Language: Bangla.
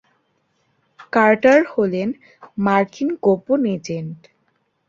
কার্টার হলেন মার্কিন গোপন এজেন্ট।